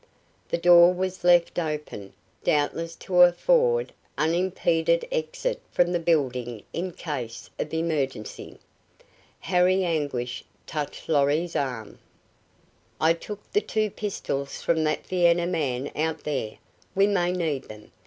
The door was left open, doubtless to afford unimpeded exit from the building in case of emergency. Harry Anguish touched Lorry's arm. "I took the two pistols from that Vienna man out there. We may need them.